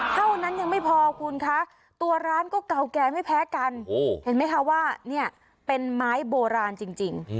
เท่านั้นยังไม่พอคุณคะตัวร้านก็เก่าแก่ไม่แพ้กันเห็นไหมคะว่าเนี่ยเป็นไม้โบราณจริง